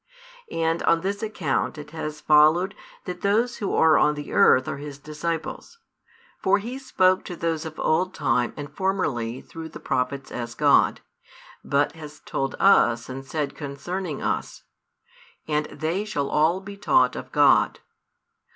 And on this account it has followed that those who are on the earth are His disciples. For He spoke to those of old time and formerly through the prophets as God; but has told us and said concerning us: And they shall all be taught of God.